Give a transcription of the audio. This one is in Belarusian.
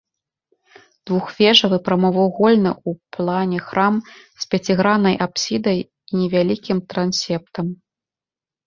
Двухвежавы прамавугольны ў плане храм з пяціграннай апсідай і невялікім трансептам.